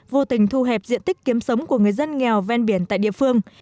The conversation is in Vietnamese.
vô tình thu hẹp diện tích kiếm sống của người dân nghèo ven biển tại địa phương